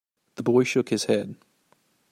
The boy shook his head.